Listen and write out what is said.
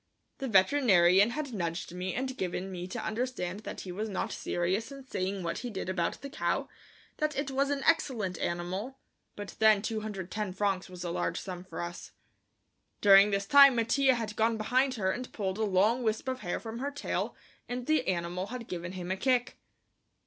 The veterinarian had nudged me and given me to understand that he was not serious in saying what he did about the cow, that it was an excellent animal, but then 210 francs was a large sum for us. During this time Mattia had gone behind her and pulled a long wisp of hair from her tail and the animal had given him a kick.